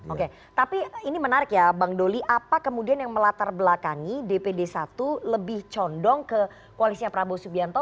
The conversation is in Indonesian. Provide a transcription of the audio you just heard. oke tapi ini menarik ya bang doli apa kemudian yang melatar belakangi dpd satu lebih condong ke koalisnya prabowo subianto